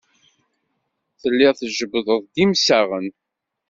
Telliḍ tjebbdeḍ-d imsaɣen.